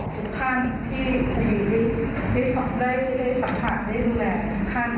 พี่จะเสียใจเพราะว่าลูกไม่โดนของอยู่ในห้อง